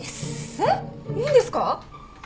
えっいいんですか？